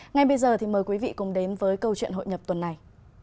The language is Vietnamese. ngay bây giờ thì mời quý vị cùng đến với câu chuyện hội nhập tuần này